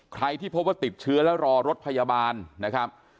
ที่พบว่าติดเชื้อแล้วรอรถพยาบาลนะครับ